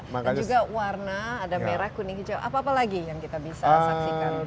dan juga warna ada merah kuning hijau apa apa lagi yang kita bisa saksikan